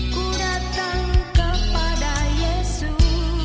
ku datang kepada yesus